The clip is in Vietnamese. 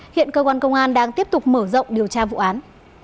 hiện cơ quan công an đang tiếp tục mở rộng điều tra vụ án